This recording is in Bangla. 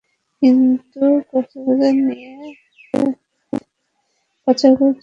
কিন্তু কক্সবাজার নিয়ে তাঁকে পাচারকারী চক্রের হাতে তুলে দেয় দালাল আছদ্দর আলী।